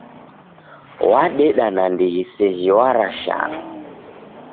W'adeda nandighi seji w'arashana.